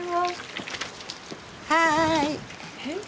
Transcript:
はい。